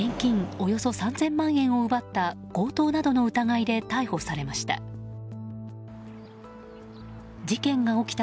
およそ３０００万円を奪った強盗などの疑いで逮捕されました。